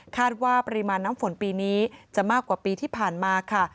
ว่าปริมาณน้ำฝนปีนี้จะมากกว่าปีที่ผ่านมาค่ะ